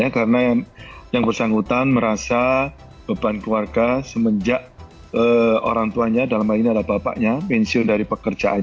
karena yang bersangkutan merasa beban keluarga semenjak orang tuanya dalam hal ini adalah bapaknya pensiun dari pekerjaan